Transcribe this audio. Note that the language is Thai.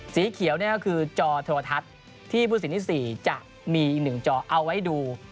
สีเขียวนี่ก็คือจอโทรทัศน์ที่ผู้สินที่๔จะมีอีก๑จอเอาไว้ดู